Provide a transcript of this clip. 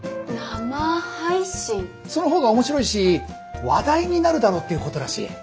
そのほうが面白いし話題になるだろうっていうことらしい。